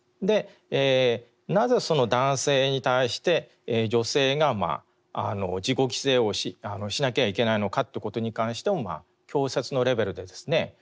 なぜその男性に対して女性が自己犠牲をしなきゃいけないのかということに関しても教説のレベルでですね